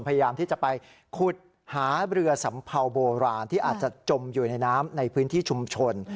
พยายามที่จะไปขุดหาเรือสัมเภาโบราณที่อาจจะจมอยู่ในน้ำในพื้นที่ชุมชน